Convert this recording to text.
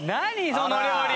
その料理。